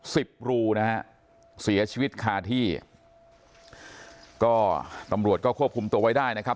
สิบรูนะฮะเสียชีวิตคาที่ก็ตำรวจก็ควบคุมตัวไว้ได้นะครับ